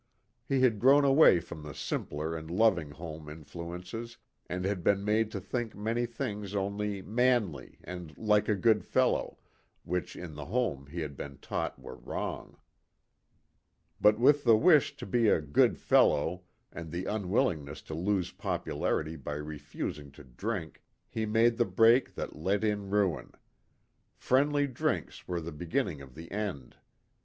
He had grown away from the simpler and loving home influ ences and had been made to think many things only " manly " and " like a good fellow " which in the home he had been taught were wrong. But with the wish to be " a good fellow " and the unwillingness to lose popularity by refusing to drink, he made the break that let in ruin ;" friendly drinks " were the beginning of the end.